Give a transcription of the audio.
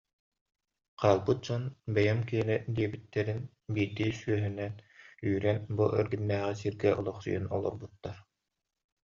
Хаалбыт дьон бэйэм киэнэ диэбиттэрин биирдии сүөһүнэн үүрэн бу эргиннээҕи сиргэ олохсуйан олорбуттар